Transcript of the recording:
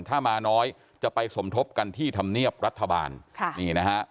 ถ้ามาน้อยจะไปสมทบกันที่ธรรมเนียบรัฐบาลค่ะนี่นะฮะ